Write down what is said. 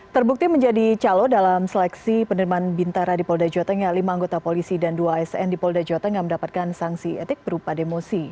terbukti menjadi calo dalam seleksi penerimaan bintara di polda jawa tengah lima anggota polisi dan dua asn di polda jawa tengah mendapatkan sanksi etik berupa demosi